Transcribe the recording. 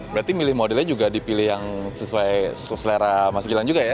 berarti milih modelnya juga dipilih yang sesuai selera mas gilang juga ya